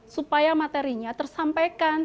supaya materinya tersampaikan